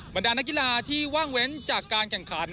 บรรดานักกีฬาที่ว่างเว้นจากการแข่งขัน